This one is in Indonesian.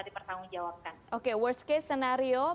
dipertanggungjawabkan oke worst case scenario